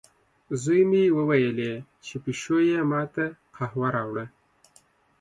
زوی مې وویلې، چې پیشو یې ما ته قهوه راوړه.